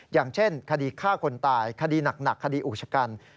อย่างเช่นคดีฆ่าคนตายคดีหนักคดีอุกชกัน